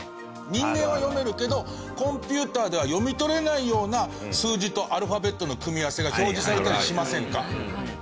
人間は読めるけどコンピューターでは読み取れないような数字とアルファベットの組み合わせが表示されたりしませんか？